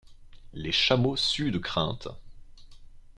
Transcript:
Les chameaux suent de crainte !